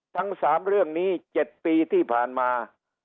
ทั้ง๓เรื่องนี้๗ปีที่ผ่านมา